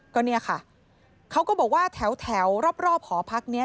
ก็เนี่ยค่ะเขาก็บอกว่าแถวรอบหอพักนี้